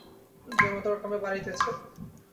জনতাও ক্রমে বাড়িতেছে।